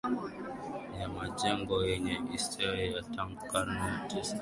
ya majengo yanye historia ya tangu karne ya Tisa hivyo hii ni fursa nzuri